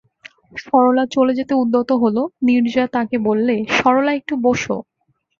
সরলা চলে যেতে উদ্যত হল, নীরজা তাকে বললে, সরলা একটু বোসো।